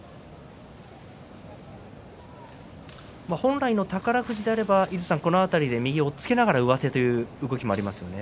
本来の宝富士であれば井筒さんこの辺り右を押っつけながら上手という動きもありますよね。